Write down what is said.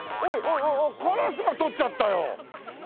カラスが取っちゃったよ！